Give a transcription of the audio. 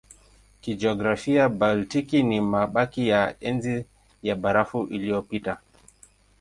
Kijiografia Baltiki ni mabaki ya Enzi ya Barafu iliyopita.